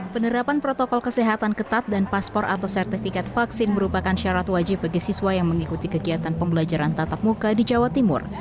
penerapan protokol kesehatan ketat dan paspor atau sertifikat vaksin merupakan syarat wajib bagi siswa yang mengikuti kegiatan pembelajaran tatap muka di jawa timur